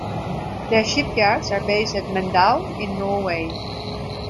Their shipyards are based at Mandal in Norway.